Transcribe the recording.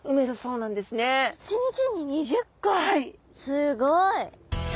すごい！